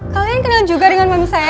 kalian kenal juga dengan meme saya